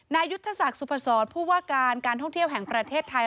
นายุทธศักดิ์สุพศรผู้ว่าการการท่องเที่ยวแห่งประเทศไทย